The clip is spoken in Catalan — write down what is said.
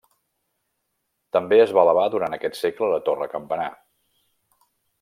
També es va elevar durant aquest segle la torre campanar.